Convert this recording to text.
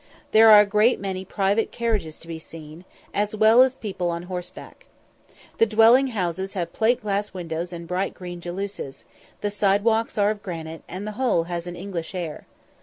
There are a great many private carriages to be seen, as well as people on horseback. The dwelling houses have plate glass windows and bright green jalousies; the side walks are of granite, and the whole has an English air.